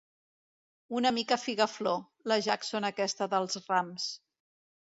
Una mica figaflor, la Jackson aquesta dels rams.